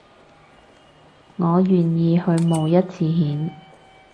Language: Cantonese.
我願意去冒一次險